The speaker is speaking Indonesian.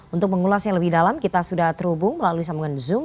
untuk mengulasnya lebih dalam kita sudah terhubung melalui sambungan zoom